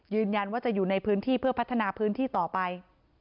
ยืนยันว่าจะอยู่ในพื้นที่เพื่อพัฒนาพื้นที่ต่อไป